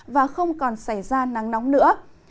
và không còn xảy ra nắng nóng nữa